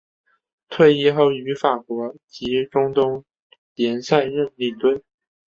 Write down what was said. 退役后于法国及中东联赛任领队。